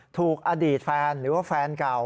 ถูกอดีตแฟนหรือว่าแฟนเก่า